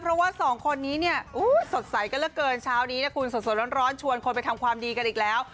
เพราะว่าสองคนนี้เนี่ยสดใสกันเหลือเกินเช้านี้นะคุณสดร้อนชวนคนไปทำความดีกันอีกแล้ว